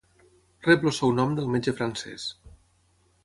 Rep el seu nom del metge francès.